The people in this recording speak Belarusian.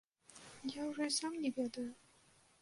Я ўжо і сам не ведаю.